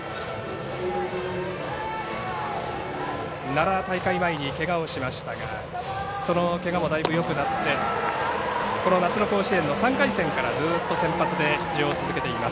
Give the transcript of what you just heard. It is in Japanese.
奈良大会前にけがをしましたがそのけがもだいぶよくなってこの夏の甲子園の３回戦からずっと先発で出場を続けています